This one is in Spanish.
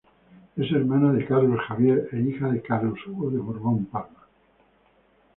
Es hermana de Carlos Javier e hija de Carlos Hugo de Borbón-Parma.